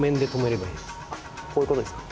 あっこういうことですか。